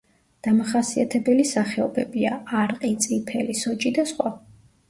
დამახასიათებელი სახეობებია: არყი, წიფელი, სოჭი და სხვა.